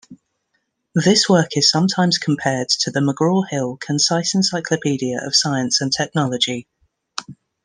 This work is sometimes compared to the "McGraw-Hill Concise Encyclopedia of Science and Technology".